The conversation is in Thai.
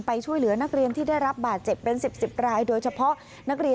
ไปช่วยเหลือนักเรียนที่ได้รับบาดเจ็บเป็น๑๐๑๐ราย